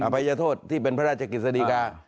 อภัยโทษที่เป็นพระราชกิจกิจสดีกา